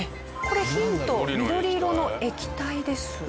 これヒント緑色の液体です。